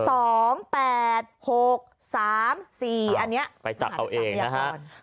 ๒๘๖๓๔อันนี้ไปจัดเอาเองนะฮะ